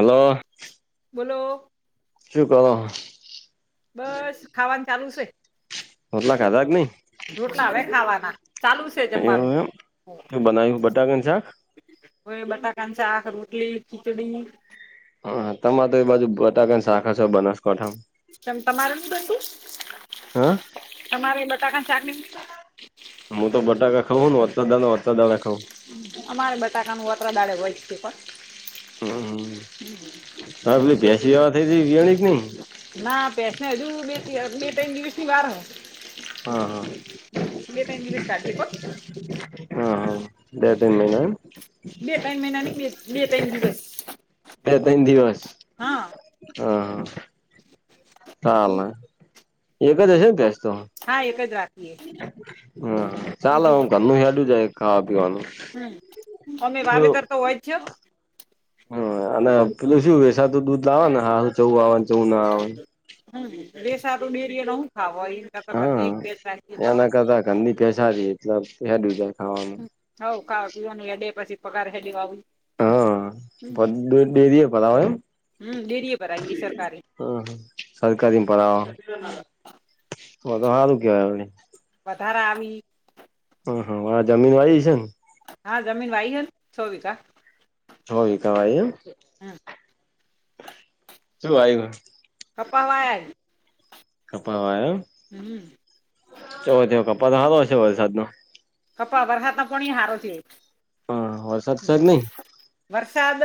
Hello. બોલો. સુ કો [unintelligible] બસ, ખાવાનું ચાલુ છે. રોટલા ખાધા કે નહી [unintelligible] રોટલા હવે ખાવાના ચાલુ છે જમવાનું. હું બનાયુ બટાકાનું શાક? હોય બટાકાનું શાક, રોટલી, ખિચડી. હા તમારે તો એ બાજુ બટાકાની શાક બને છે. બનાસકાંઠામાં. કેમ તમારે નહીં બંનતુ, હા તમારે બટાકા શાકની. હું તો બટાકા ખાઉ ને વરસાદ [unintelligible] ખાંઉ. અમારે બટાકાનું અત્રે દારે હોય છે પણ. હમ હ પેલી શું ભેસી બીજું [unintelligible] થઈ તી વીઆણી કે ની. ના ભેંસ ને હજુ બે ત્રણ દિવસ ની વાર હો. હ હા હા બે ત્રણ દિવસ [unintelligible] કો. હા હા બે તન મહિના. બે ત્રણ મહિના નહીં બે તઇણ દિવસ. બે તઇન દિવસ હા હ હા. બીજું? હા [unintelligible] એક જ હશે ને ભેંસ તો. હા એક જ રાખીએ હા ચાલ બીજું ઘરનું હેડુ જાય ખાવા પીવાનું. હમ અમે વાવેતર તો હોય છે. હ અને પેલું શું વેસાતું દૂધ લાવે ને હારું ચવું આવેને ચવું ના આવે. હમ વેસાતું ડેરી ય હું ખાવય ઘર એક હા ભેંસ રાખી એ તો એના હારુ. ઘરની ભેસ હારી એટલે હેડયું જાય ખાવાનું. હઉ ખાવા પીવાની હેડે પછી પગાર હેડે આવ. હ હા ડેરી એ ભરાવો એમ હમ ડેરીએ ભરાઇ એ સરકારી. હ સરકારી મા ભરાવાનું હમ તો તો હારુ કહેવાય અમને વધારા આવી હ હા હ જમીન વાયી છે ને હા જમીન વાઈ હે ન છો વીગા છ વીઘા વાઈ એમ હમ્મ શું વાયુ હે કપા વાયા કપા વાયો એમ હમ્મ ચવ તો કપા નો હાલો હસે વરસાદ નો કપા વરસાત નો પણ હારો એ હ વરસાદ શે કે નહી વરસાદ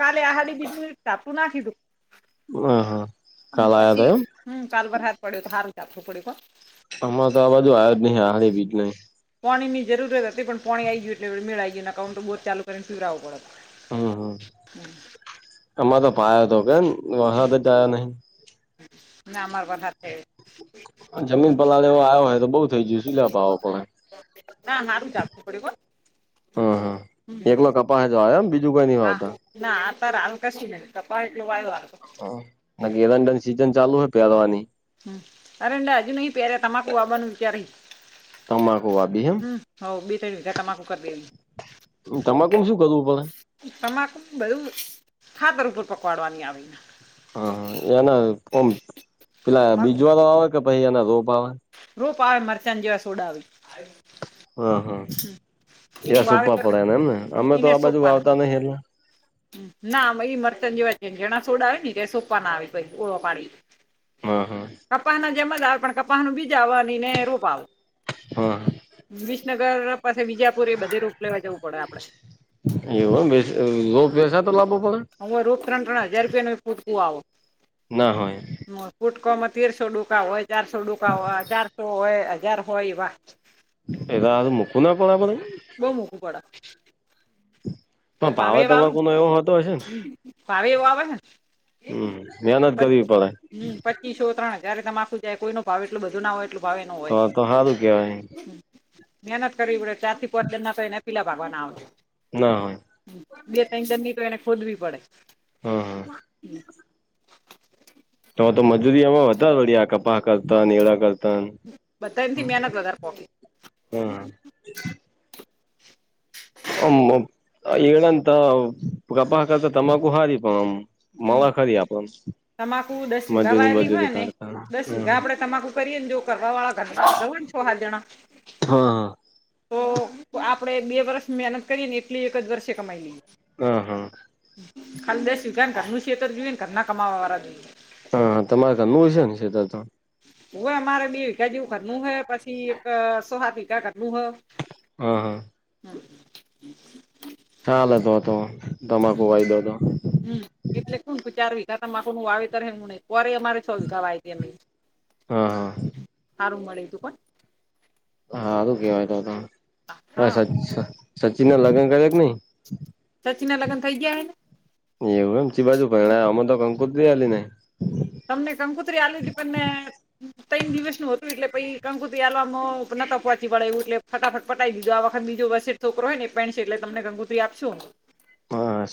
કાલે બીજું જાપટો નાખ્યું હતું હા હા હમ્મ કાલ આયો પછી તો એમ હમ્મ કાળે વરહાદ પડ્યો તો હારુ જાપટુ પડ્યું હો આમાં તો આ બાજુ આયા જ નહી આહારી બીજ નઈ પોણી ની જરૂરત જ હતી પણ પોણી આવી ગયું એટલે મેળાઈ ગયુ નાઈતર તો બોર ચાલુ કરીને પીવરાવું પડત હમ્મ હમ્મ એમાં તો પાયો તો કેમ વરહાદ જ આયો નહી ના અમારો વરહાડ છે જમીન પલાડે એવો આવ્યો હોય તો બઉુ થઈ ગયું સીલા પવો પડે ના હારું જાપતુ પડ્યું હો હમ્મ હ એકલો કપાસ જ વાયો એમ બીજું કોઈ નઈ હા વાવતા ના અતારા હાલ કશી નહી કપાય એટલું વાયવા હ ના કે એરંડાન સીઝન ચાલુ હોય પહેરવાની હમ્મ અરેડા હજુ નહી પહેર્યા તમાકું આવાનું વિચારી તમાકુ વાવી એમ હું હોવ બે ત વિઘા તમાકુ કરી દે તમાકુને શું કરવું પડે તમાકુ બધુ ખાતર ઉપર પકડવાની આવી હ એના ઓમ પેલા મગ બીજવાળો આવે કે પહિ એના રોપ આવે રોપ આવે મરચાન જેવા સોડા આવે [inaudible] હ હ હ એનું સુપા વાવેતર પડે એને એમને હમ, અમે તો એને આ બાજુ સોંપવાના વાવતા નહિ એટલે ના મ ઈ મરચાન જેવા જ હોય ઝીણાં સોડા ને તે સોંપવા ના આવે ઓળો પાડી હ હ કપાના જેમજ આવે પણ કપાહનું બીજ આવે અનેને રોપ આવે હા બીસને પાસે વિજાપુરે એ બધે રોપ લેવા જવું પડે આપડે એવુ એમ બે અ રોપ વેસાતો લાવો પડે હ રોપ ત્રણ ત્રણ હજાર રૂપિયાનું એક ફૂટકૂ આવો ના હોય હ ફુટકોમાં તેરસો ડૂકા હોય ચારસો ડૂકા હોય ચારસો હોય હાજાર હોય એવા એદા આ મુકૂ ના પડે આપડે બો મોંઘુ પડહ પણ પાવે ભાવે એવા આવે તમાકુ નો એવો હોતો હશે ને ભાવે એવો આવે હે હમ મહેનત કરવી પડે પચ પચીસો ત્રણ હજાર તમાખું જાય કોઈનો ભાવ એટલું બધું ના હોય એટલુ ભાવ એનો તો હોય તો સારું કેવાય મહેનત કરવી પડે ચારથી પોંચ જણના તો એને પીલા લાવાના આવે ના હોય બે તઈણ દનની તો એને ખોદવી પડે. હા હા [inaudible] તો તો મજૂરી એમાં વધારે વડી આ કપાહ કરતાને એરડા કર તાન બધા એમથી મહેનત વધારે પોકે હ ઓમ એરડા ત કપાહ કરતા તમાકુ હારી પણ ઓમ મલે ખરી આપડન તમાકુ દસ વિઘા વાએલિ હોય ને દસ હમ વિઘા આપડે તમાકુ કરીએ ને જો કરવા વાળા [inaudible] હોય છો-હાત જણા હ તો આપડે બે વરસ મેહનત કરીએ ને એટલી એક જ વર્ષે કમાઈ લીઈએ. અ હ ખાલી દસ વિઘા ન ઘરનું શેતર જોયએ ન ઘરના કમાવાળા જોઈએ. અ તમારે ઘરનું હસેન સેતર તો હોવે અમારે બે વીઘા જેવું ઘરનું હે પછી એક સો-હાત વીઘા ઘરનું હ. હ હ હ [inaudible] ચાલે તો તો તમાકુ વાયદો તો હમ્મ એટલે કુન કુ કે ચાર વીઘા તમાકુનુ વાવેતર હે ઉણે પોરે અમારે છો વીઘા વાઈતી અમી હા હારું મળ્યું તું કોન હારું કેવાય તો તો હા સ-સ-સચિન લગન કર્ય કે નઇ? સચીના લગન થઈ ગયા હેને. એવું એમ ચી બાજુ પરણાયો અમનતો કંકોત્રી એ આલી નહી. તમને કંકુત્રી આલી તી પણ મે તઈણ દિવસનું હતું એટલે પઇ કંકુત્રી આલવામ નતા પહોંચી વળે એવું એટલે ફટાફટ પટાઈ દીધું. આ વખત બીજો વસેઠ છોકરો હેને એ પઈણસે એટલે તમને કંકોત્રી આપશું. [inaudible]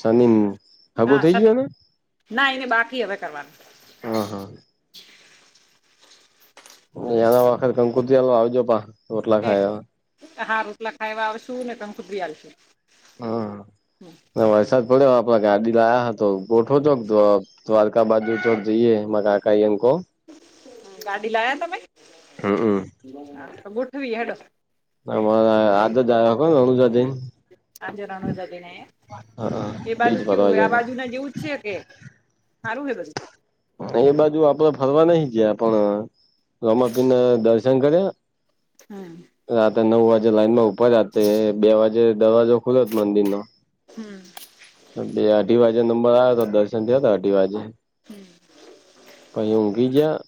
શનિ [unintelligible] હગું થઈ ગયું ને ના એને બાકી હવે કરવાનું હ હા એના વખત [unintelligible] કંકોત્રી આલવા આવજો પાહ રોટલા એ ખાય એવા. હા, રોટલા ખાય એવા આવશું ને [unintelligible] કંકોત્રી આલશું. હ વરસાદ પડ્યો હ આપડ ગાડી લાયા હ તો ગોઠવજો [unintelligible] દ્વારકા બાજુ ચોક જઈએ માર કાકા ઈયન કો ગાડી લાયા તમે તો ગોઠવીએ હડો. [unintelligible] આજ જ આયા હો રણુજા જઈન. આજે રણુજા જઈને આયા હા એમ એ બાજુ બીજ કેવું ફરવા હોય ગયા આ હતા. બાજુ ના જેવું જ છે કે હારું હે બધું એ બાજુ આપડે ફરવા નહી ગયા પણ રમાપીરને દર્શન કર્યા હમ્મ રાતે નવ વાજે લાઈનમાં ઊભા રાતે બે વાગે દરવાજો ખુલોત મંદિરનો હમ્મ બે-અઢી વાજે નંબર આયોતો દર્શન થયાતા અઢી વાજે પહિ ઊંઘી જ્યાં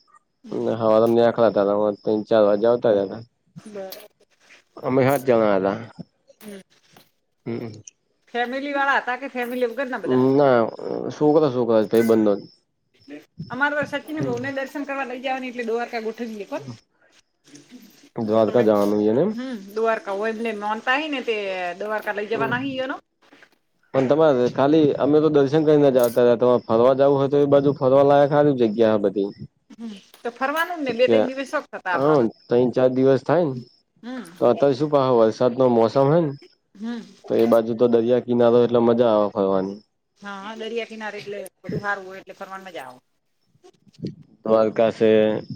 ને હવારમાં નેકળ્યાતા તો તઈણ-ચાર વાગ્યે આવતા રયા તા બરાબર અમે સાત જણા હતા. હમ્મ. હમ્મ. ફેમિવાળા હતા કે ફેમિલી વગર ના હ બધા ના છોકરા છોકરા ભઈબંધો અમારે સચિન હમ્મ. બહુને દર્શન કરવા લઈ ગયાને એટલે દ્વારકા ઠંડી કોન દ્વારકા તમે જવાનું છે ને હમ્મ દર એટલે [unintelligible] મનતા ને તે દવાકા લઈ એમ જવાના જે એના પણ તમારે ખાલી અમે તો દર્શન કરીને જતા તમારે ફરવા જવું હોય તો એ બાજુ ફરવાલાયક હારી જગ્યા બધી હમ્મ તો ફરવાનું તો ને બે બે કે દિવસ શોખ હતા હા આપણને ત્રણ ચાર હમ્મ. આ વરસાદ નો મોસમ હે ને હમ્મ. તો એ બાજુ તો દરિયા કિનારો એટલે મજા આવે ફરવાની હા હા દરિયા કિનારે એટલે બધું સારું હોય એટલે ફરવાન મજા આવે દ્વારકા છે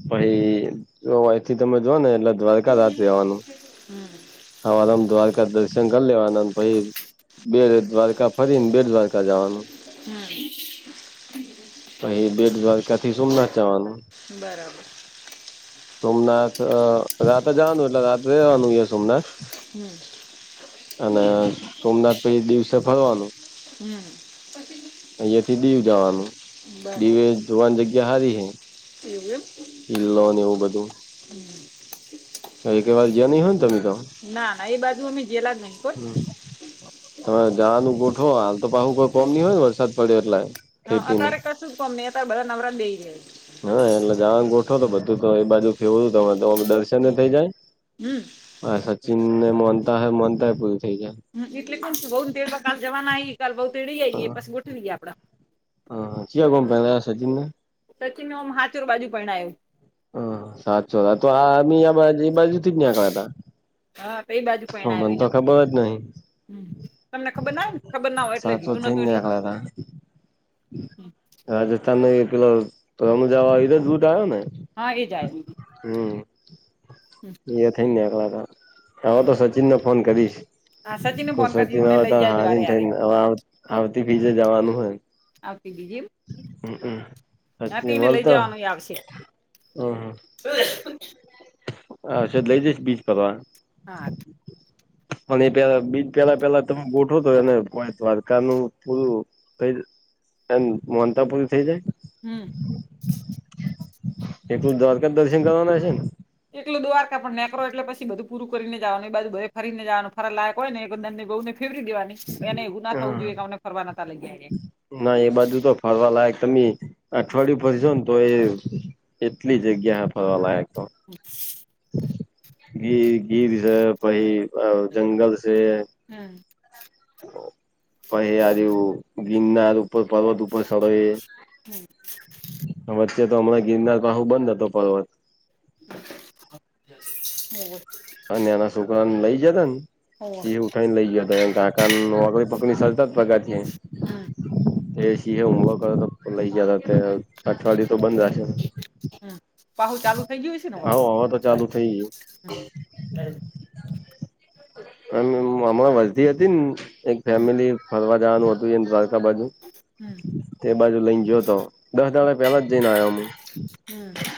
પહી અઈથી તમે જોને એટલે દ્વારકા રાતે આવાનું હમ સવારમાં દ્વારકા દર્શન કર લેવાના પહિ બેટ દ્વારકા ફરીને બેટ દ્વારકા જવાનું હમ્મ. અહીં બેટ દ્વારકાથી સોમનાથ જાવાનું બરાબર. સોમનાથ અ રાતે જવાનું એટલે રાતે જવાનું સોમનાથ હમ અને સોમનાથ પહી દિવસે ફરવાનું હમ્મ. અહીથી દીવ જવાનું દીવે જોવાની જગ્યા હારી હે. એઉ એમ કીલોન એવું બધું હમ્મ. એકે વાર જયા નહી હોય ને તમે તો ના ના એ બાજુ અમે જેેલા જ નહી કોન તમે જવાનું ગોઠો હાલ તો પાહુ કોઈ કોમ નહિ હોય ને વરસાદ પડ્યો એટલે હા ખેતીનું અત્યારે કશું ગમે ને ત્યારે બધા નબરા બેઈ રયા ઈ હા એટલે જવા ગોઠો તો બધું તો એ બાજુ કેવું હતું તમે તો દર્શન થઇ જાય. હમ્મ. હા સચિન ને મો હે મોનતાય પૂરું થઇ જાય. હ એટલે કો બઉ ને ક જવાના ઈ કાલ બઉ તેડી આઈએ પછી ગોઠવી એ આપડા હ હ ચિયા ગોમ પેનાયો સચિન ને સચિન ઓમ હાથોર બાજુ પરણાયો હ સાતસો તો આ એ મી બાજુથી જ નિકળ્યા હતા. હા બે બાજુ હ મન તો ખબર જ નહી. હમ્મ તમને ખબર ના હોય ને ખબર ના હોય એટલે કીધું નતું એટલે હા. [inaudible] રાજસ્થાનનો એ પેલો [unintelligible] આવ્યો ને. હા એે જાય. હમ. [unintelligible] એ થઈ ને આલા તો હવે તો હમ. સચિનને ફોન કરીશ. હા સચિનને કો ફોન કરજો સચિન એમને હોય તો લઈ જાજો હાહરી હારે હારે થઈને હવે આવતી બીજે જવાનું હોય ને.... આવતી સચિન [unintelligible] લઈ બોલતો જવાનું આવશે. [unintelligible] હા આજેજ લેય જઈશ બીચ ફરવા... હા ઠીક.. [unintelligible] અને એ પેલા બીજ પેલા પેલા તમે ગોઠો તો એને કો દ્વારકાનું પૂરું. ક એમ મોનતા પુરી થઇ જાય... હમ. એકલું દ્વારકા દર્શન કરવાના હશે ને... એકલું દ્વારકા પણ નેકરો એટલે પછી બધું પૂરું કરીને જ આવાનું એ બાજુ બધે ફરીને જ આવાનું ફરવા લાયક હોય ને [unintelligible] ફેરવી દેવાની એને એવું ના થવું જોઈએ કે અમને ફરવા નાતા લઈ જાય એ. ના એ બાજુ તો ફરવા લાયક તમે અઠવાડિયું ફરજો ને. તો એ એટલી જગ્યા ફરવાલાયક... [unintelligible] ઇ ગીધ છે પહીં જંગલ છે. હમ. પહિં અજુ ગિરનારું... ઉપર પર્વત ઉપર સદાયે... વચ્ચે તો હમણાં ગિરનાર પાહો બંધ હતો પર્વત [unintelligible] આ નાના છોકરાને લઈ જતા ને હોવે સિંહ ઉઠાઈને લઈ જતા.... [unintelligible] હમ એ સિંહએ હુમલો કર્યો તો લઇ જતા અઠવાડિયુ તો બંધ રાખેલું... હમ પાહુ ચાલુ થઈ ગયું હશે ને અવે.... આવો હવે તો ચાલુ થઈ ગયું હમણાં વર્ધી હતી ને એક ફેમિલી ફરવા જવાનું હતું એ દ્વારકા બાજુ... હમ... એબાજુ લઈ ને ગીયો તો દસ દાડા પેલા જ જઈને આવ્યો અમે... હમ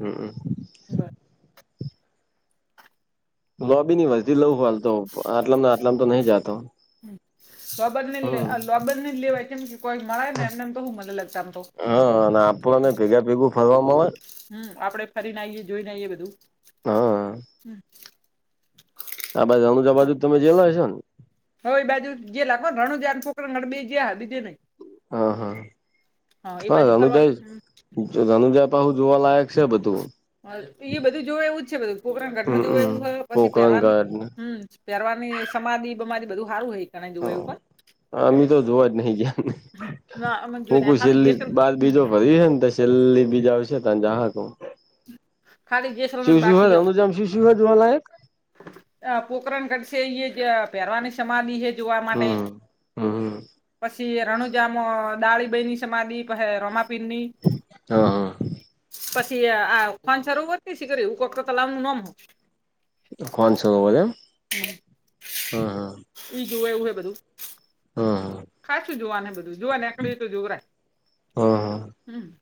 હમ. [unintelligible] [inaudible] તો આટલામ આટલામ તો નહી જાતો. હમ.... બાબર ને લેવાય કેમ કે... [inaudible] કોઈ મળે ને એમને એમ તો હું મને હા અને આપણને [unintelligible] ભેગા ભેગું ફરવા મળે [inaudible] હમ આપણે ફરી ને આઈએ જોઈને આઈએ બધું હા હમ આ બાજુ રણુજા બાજુ તમે જેલા હશો ને? હવે એ બાજુ જે લાગવાને રણુજા અને પોખરણ ગયા બીજે નહી હા હા પણ બાજુ ફરવાનું રણુજા રણુજા પાછું જોવાલાયક છે બધું બીજું બધું જોય એવું જ છે બધું પોકરાણ ઘાટમાં જોય એવું હમમ હોય પછી પહેરવાની પોકરણગઢને હમ, પહેરવારની સમાધિ બમારી બધું સારું હ ગણે જોવું એવું પણ, હ અમે તો જોવા જ નહી, ગયા કોણ જોઈને હુંકુ ખાલી છેલ્લી જેસલ બાદ હમ બીજો ભરી હેને ચેલ્લી બી જાઉ છે, તને જાહે કો ખાલી જેસલમેર [unintelligible] બાકી જોવાલાયક હ પોકરણગઢસે એ જે [unintelligible] સમાધિ જોવા માટે હમ હમ પછી, રણુજામ દાળીભાઈની સમાધિ હે રોમાપિરની હા હા પછી આ ખાનસરોવર સીકર કોક તલામું નામ [inaudible] ખાન સરોવર એમ હા હા એ જોવા એવું હ બધું. હા ખાચું જોવા બધું જોવા એકળું તો જોવરાય હા હા હા હમ,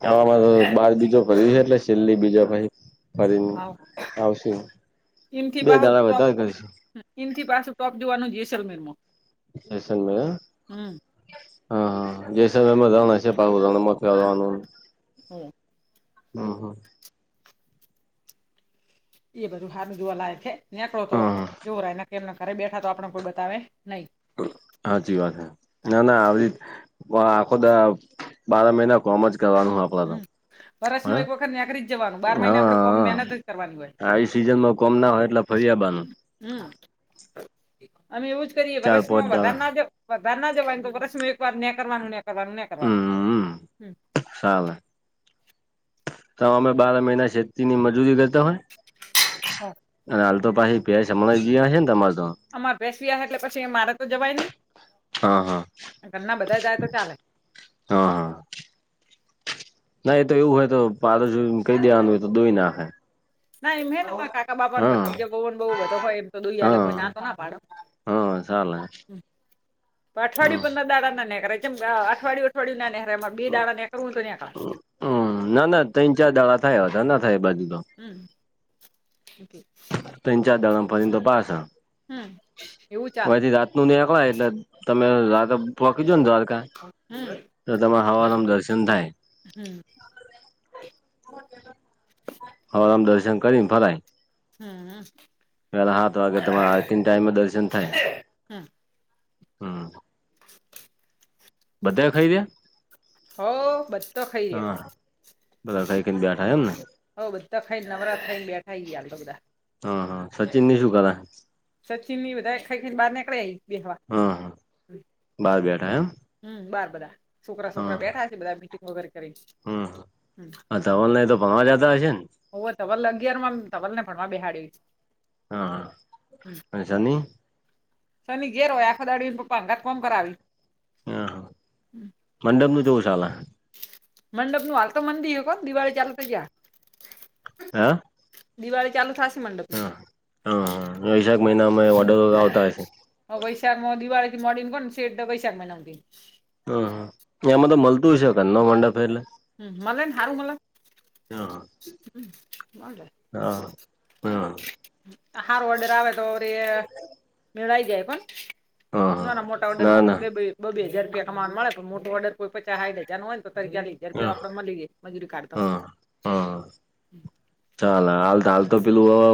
[unintelligible] છેેલ્લી બીજો ભાઈ ફરીને હા આવશે બે દાળા વધારે કરશે થી પાછું [unintelligible] જોવાનું જેસલમેર જેસલમેર હા હા જેસલમેર રણ હશે પાહુ [unintelligible] હમ હમ હા એ બધું હારુ જોવા લાય હે. નેકળો તો હા જોવરાય એમના ઘરે બેઠા તો આપણે કોઈ બતાવે, નહીં હાચી વાત હે ના ના આવી આખો દાર બાર મહિના કોમ જ કરવાનું હ હ હમ હા વરસમાં એક વખત નીકળી જ જવાનું બાર મહિને આપડે કોમ હહ મહેનત જ કરવાની હોય આવી સિઝનમાં કોમ ના હોય એટલે ફર્યા આબાનુ હમ અમે એવુંજ કરીએ ચાર પાંચ વર્સમાં દાડા વધારે, ના જવ વધાર ના જવાને તો વર્ષ એક વાર નેકાળવાનુ નેકળવાનુ હમ ચાલે, તો અમે બાર મહિના શેતીની મજૂરી કરતા હોય અને હાલ પાહી ભેંસ હમણાં વિહાસે ને તમાર તો અમાર ભેસ વીહાયા છે એટલે પછી મારે તો જવાય નહી, હા હા ઘરના બધા જાય તો ચાલે હા ના એ તો એવું હોય તો પાડોશી જો કહી દેવાનું હોય તો દોઈ નાખે, ના એમ હ કાકા બાપા હા ભતીજ બહુ બહુ બધો હોય એમ તો દુઈલે કોઈ, ના તો ના પાડો તો ચાલે અઠવાડિયુ હમ પંદર દાડા ના નેકેળાય કેમ [unintelligible] અઠવાડયું નાનેરાયરે બે દાડા નીકવું તો હમ ના ના ત્રન ચાર દાડા થાય વધાર ના થાય એ બાજુ તો. [inaudible] ત્ર ચાર દાળા મ તો ફરી ને પાસા હમ એવું ચાલે [unintelligible] પોહખીજો ને દ્વારકા હમ તો તમારે હવાનુંમ દર્શન થાય, હમ હવારમાં દર્શન કરીને ફરાય હા. પેલા સાત વાગે તમારા આરતી ટાઈમે દર્શન થાય. [unintelligible] હુ બધા ખયરયા હવ બધા હા ખઇરયા બધા ખાઈ ખાઈને બેઠા એમ ને હવ બધા ખઈને નવરા થઈન બેઠાા [unintelligible] બધા. હ હ સચિન ની શું કરે? સચિન ની બધાય ખય ખય બાર નીકળા [unintelligible] બેહવા હ બાર બેઠા એમ હુ બાર બધા છોકરા છોકરા બેઠા છી બધા મીટિંગ વગેરે કરીન હુ અતાર ઓનલાઇન તો ભણવા જાતા હશે ને હવે ધવલ અગિયાર માં ધવલ ને ભણવા બેહાડ્યું હ હશની. શની ઘેર હોય આખો દાળો એન પપ્પા ઘર કોમ કરાવી- - હ મંડપનું [unintelligible] ચાલે મંડપ નું હાલતો મંદી [unintelligible] દિવાળી ચાલુ તો જ્યાં- - હા દિવાળી ચાલુ થાસે મંડપ- - હ હ વૈશાખ મહિનામાં ઓર્ડર આવતા હશે. વૈશાખ મ દિવાળીથી મોડીન કોણ સટ વૈશાખ મહિના સુધી એમાં તો મલતું હશે ઘરનો મંડપ સે એટલે હું હું મલે [unintelligible] [unintelligible] [unintelligible] હ હ સારો ઓર્ડર આવે તો [unintelligible] મેળ આઈ જાય પણ. હા ના ના મોટા ઓડરમાં ના [unintelligible] બ બે હજ રૂપિયા કમાવાનું મળે પણ મોટો ઓર્ડર કોઈ પચાસ સાઠ હજાર હોય તો [unintelligible] [unintelligible] આપળો મલી રે મજૂરી કાઢતા- - હ હ ચાલ હાલ તો પેલું હવે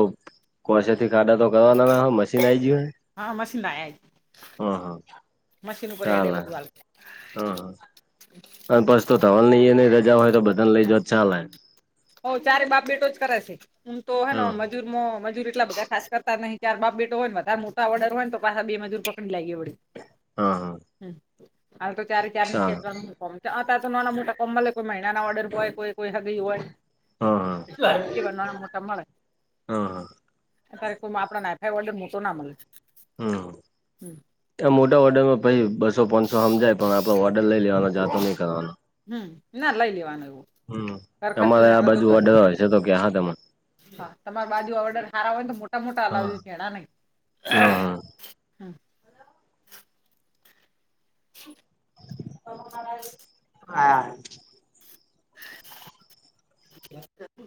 કોશેથી કાઢે તો- - નવા મશીન આઈજયુ હા મશીન લાય શી હા મશીન ઉપર હેડે બધું - - હ હ અને પછ તો ધવલ ને એને રજા હોય તો બધાને લઈ જવ તો ચાાલે હોવ ચારે બાપ બેટો જ કરે છે હમ તો હે હા - - મજૂર એટલા બધા ખાસ કરતા નઈ [unintelligible] બાપ બેટો હોયને વધારે મોટા ઓર્ડર હોય તો પાછા બે મજૂર- હા હા ચાલ - [unintelligible] અતાર તો નાના મોટા કોમમા [unintelligible] કોઈ મહિના ના ઓર્ડર હોય કોઈ કોઈ સગય હોય. હા હા નાના મોટા મળે હ હ અત્યારે કોઈ આપણા ને હાયફાય ઓર્ડર મોટો ના મલે હુ હુ ત્યા મોટા ઓર્ડરમાં [unintelligible] બ સો પાંચસો સમજાય પણ આપડો ઓર્ડર લઈ લેવાનો જાતો નહીં કરવાનો. હુ ના લાઈ લેવા નું એવું. હું. ઘર ખર્ચો અમારે આ નીકળે તો બાજુ જો ઓર્ડર હોય છે તો કે હા તમારી બાજુ ઓર્ડર સારા હોય તો મોટા મોટા હા અલિવજો [unintelligible] નહી. હમ હમ હ [unintelligible] હા. [inaudible] એ